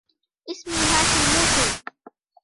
اسمي هاشيموتو.